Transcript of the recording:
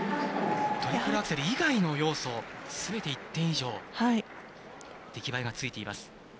トリプルアクセル以外の要素すべて１点以上出来栄えがついています。